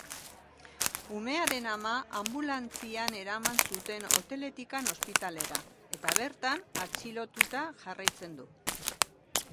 Umearen ama anbulantzian eraman zuten hoteletik ospitalera, eta bertan atxilotuta jarraitzen du.